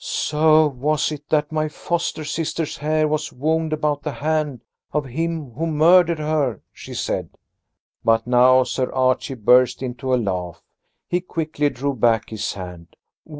"So was it that my foster sister's hair was wound about the hand of him who murdered her," she said. But now Sir Archie burst into a laugh. He quickly drew back his hand.